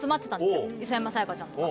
磯山さやかちゃんとか。